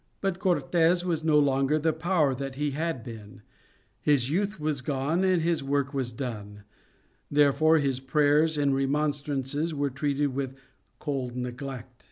But Cortes was no longer the power that he had been; his youth was gone and his work was done, therefore his prayers and remonstrances were treated with cold neglect.